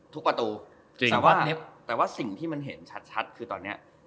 ประตูจริงแต่ว่าสิ่งที่มันเห็นชัดคือตอนนี้